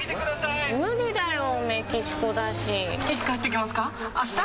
いつ帰ってきますか？